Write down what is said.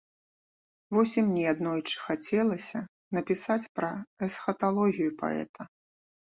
Вось і мне аднойчы хацелася напісаць пра эсхаталогію паэта.